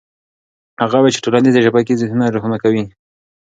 هغه وویل چې ټولنيزې شبکې ذهنونه روښانه کوي.